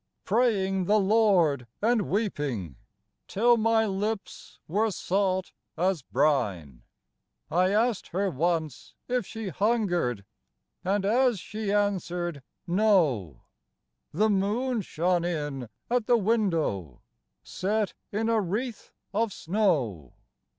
Praying the Lord, and weeping Till my lips were salt as brine. k IN THE WORKHOUSE. 13 I asked her once if she hungered, And as she answered * No/ The moon shone in at the window Set in a wreath of snow.